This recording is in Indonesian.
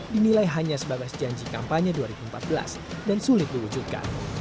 dinilai hanya sebagai janji kampanye dua ribu empat belas dan sulit diwujudkan